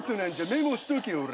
メモしとけオラ。